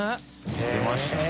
言ってましたね。